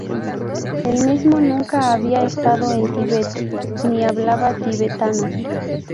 El mismo nunca había estado en Tíbet ni hablaba tibetano.